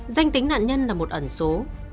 danh tính nạn nhân là một ẩn số